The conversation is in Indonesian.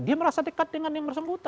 dia merasa dekat dengan yang bersangkutan